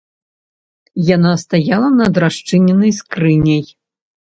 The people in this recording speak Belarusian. Яна стаяла над расчыненай скрыняй.